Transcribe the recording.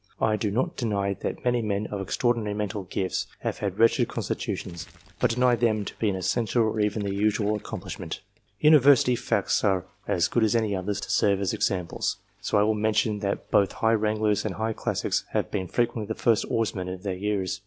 I do not deny that many men of extraordinary mental gifts have had wretched constitutions, but deny them to be an essential or even the usual accompaniment. University facts are as good as any others to serve as examples, so I will mention that both high wranglers and high classics have been frequently the first oarsmen of their years.